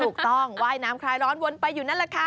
ว่ายน้ำคลายร้อนวนไปอยู่นั่นแหละค่ะ